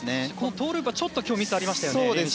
トウループはちょっと今日練習でミスがありましたね。